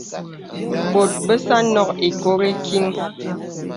Bòt bəsà à nók īkori kiŋ.